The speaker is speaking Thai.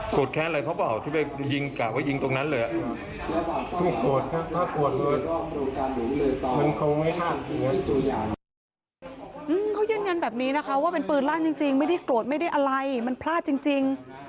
เขายืนยันแบบนี้นะคะว่าเป็นปืนลั่นจริงไม่ได้โกรธไม่ได้อะไรมันพลาดจริง